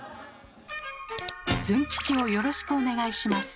ズン吉をよろしくお願いします。